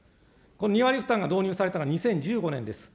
この２割負担が導入されたのは２０１５年です。